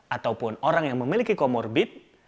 ataupun orang yang memiliki comorbid